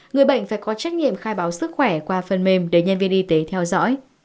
người bệnh phải có trách nhiệm khai báo sức khỏe qua phần mềm để nhân viên y tế theo dõi